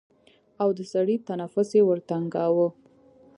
او د سړي نفس يې ورټنگاوه.